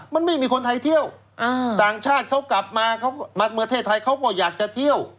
มันไม่มีคนไทยเที่ยวต่างชาติเขากลับมาเขามาประเทศไทยเขาก็อยากจะเที่ยว